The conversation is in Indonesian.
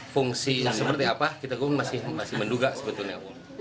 fungsinya seperti apa kita pun masih menduga sebetulnya